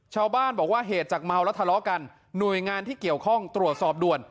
ชาวบ้านบอกว่าเหตุจากเมาแล้วทะเลาะกันหน่วยงานที่เกี่ยวข้องตรวจสอบด่วน